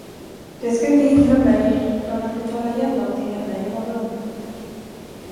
Det skall inte hindra mig från att betala igen dem till henne i morgon.